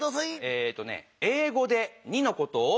えとねえい語で「２」のことを？